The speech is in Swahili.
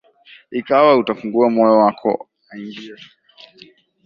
Ikawa utafungua moyo wako aingie.